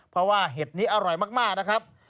เพราะว่าเห็ดนี้อร่อยมากนะครับ